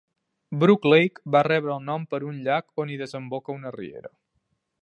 Brook Lake va rebre el nom per un llac on hi desemboca una riera.